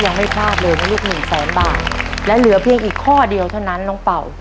ยังไม่พลาดเลยนะลูกหนึ่งแสนบาทและเหลือเพียงอีกข้อเดียวเท่านั้นน้องเป่า